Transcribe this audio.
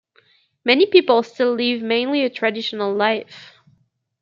Many people still live mainly a traditional life.